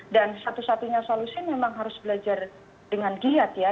dan satu satunya solusi memang harus belajar dengan giat ya